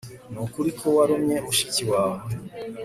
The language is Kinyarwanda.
Nukuri ko warumye mushiki wawe